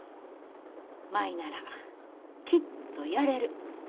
舞ならきっとやれる。